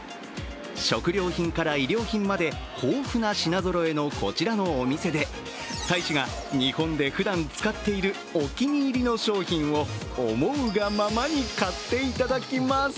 食料品から衣料品まで豊富な品ぞろえのこちらのお店で大使が日本でふだん使っているお気に入りの商品を思うがままに買っていただきます。